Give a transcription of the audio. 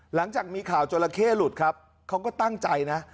หลังจากมีข่าวจราเข้หลุดครับเขาก็ตั้งใจนะ